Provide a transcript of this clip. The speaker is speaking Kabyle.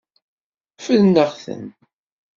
Ffren-aɣ-ten.